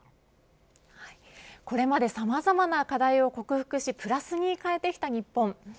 これまでさまざまな課題を克服しプラスに変えてきた日本。